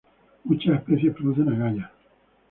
Muchas especies producen agallas.